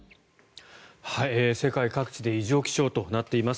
世界各地で異常気象となっています。